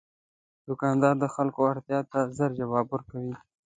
دوکاندار د خلکو اړتیا ته ژر ځواب ورکوي.